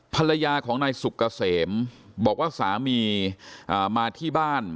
ภรรยาของนายสุกเกษมบอกว่าสามีมาที่บ้าน